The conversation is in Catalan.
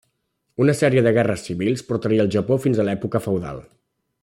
Una sèrie de guerres civils portaria al Japó fins a l'època feudal.